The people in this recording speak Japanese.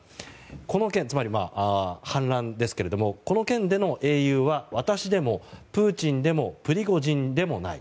この件、つまり反乱ですけどこの件での英雄は私でもプーチンでもプリゴジンでもない。